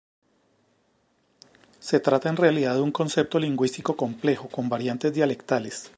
Se trata en realidad un concepto lingüístico complejo, con variantes dialectales.